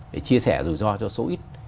để chia sẻ rủi ro cho số ít